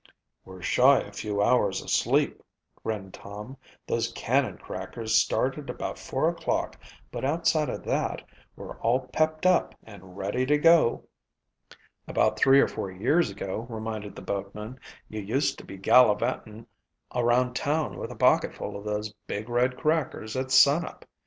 "We're shy a few hours sleep," grinned Tom. "Those cannon crackers started about four o'clock but outside of that we're all pepped up and ready to go." "About three or four years ago," reminded the boatman, "you used to be gallivantin' around town with a pocketful of those big, red crackers at sun up.